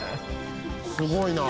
「すごいな」